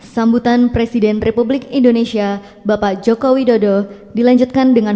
sambutan presiden republik indonesia bapak joko widodo dilanjutkan dengan